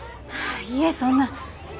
いえそんな。